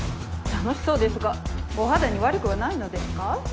楽しそうですがお肌に悪くはないのですか？